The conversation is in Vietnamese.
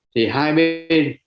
thì hai bên